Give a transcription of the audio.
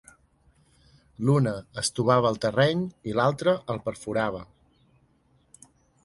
L'una estovava el terreny i l'altra el perforava.